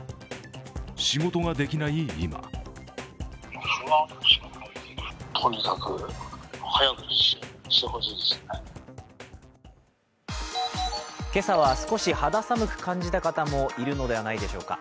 仕事ができない今今朝は少し肌寒く感じた方もいるのではないでしょうか。